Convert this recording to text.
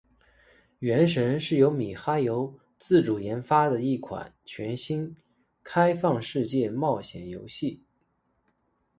《原神》是由米哈游自主研发的一款全新开放世界冒险游戏。